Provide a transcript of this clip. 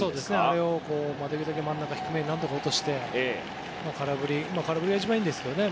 あれをできるだけ真ん中低めに何とか落として空振りが一番いいんですけどね。